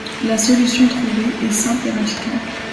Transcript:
La solution trouvée est simple et radicale.